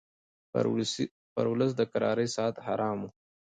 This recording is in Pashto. پر اولس د کرارۍ ساعت حرام وو